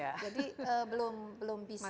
jadi belum belum bisa